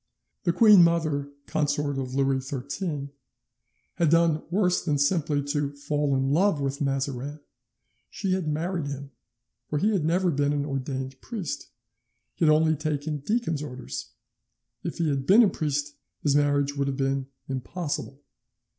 "The queen mother, consort of Louis XIII, had done worse than simply to fall in love with Mazarin, she had married him, for he had never been an ordained priest, he had only taken deacon's orders. If he had been a priest his marriage would have been impossible.